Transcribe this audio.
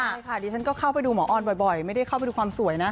ใช่ค่ะดิฉันก็เข้าไปดูหมอออนบ่อยไม่ได้เข้าไปดูความสวยนะ